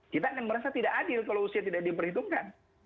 kita akan merasa tidak adil kalau usia tidak diperhitungkan